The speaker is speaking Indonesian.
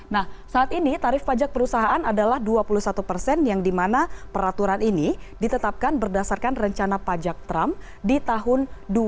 nah saat ini tarif pajak perusahaan adalah dua puluh satu persen yang dimana peraturan ini ditetapkan berdasarkan rencana pajak trump di tahun dua ribu dua puluh